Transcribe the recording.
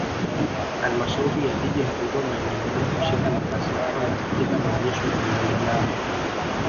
Halmashauri ya Jiji la Dodoma imeendelea kushika nafasi ya kwanza katika maonesho ya Nanenane